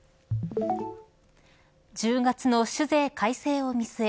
１０月の酒税改正を見据え